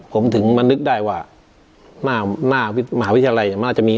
ผมถึงมานึกได้ว่าหน้ามหาวิทยาลัยน่าจะมี